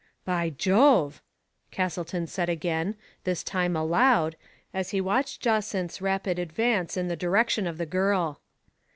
" By Jove !*' Castleton said again, this time * aloud, as he watched Jacynth's rapid advance in the direction of the girl.